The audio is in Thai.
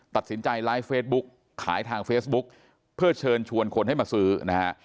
ตัดสินใจไลฟ์เฟซบุ๊กขายทางเฟซบุ๊กเพื่อเชิญชวนคนให้มาซื้อนะฮะ